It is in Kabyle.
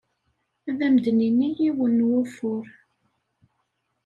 Ad am-d-nini yiwen n wufur.